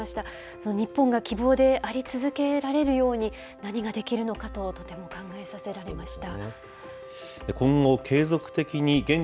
その日本が希望であり続けられるように、何ができるのかととても考えさせられました。